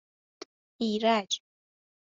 ایرج